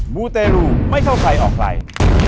มูเตรูไม่เข้าใครออกใคร